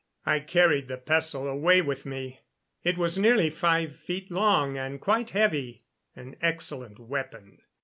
I carried the pestle away with me; it was nearly five feet long and quite heavy an excellent weapon.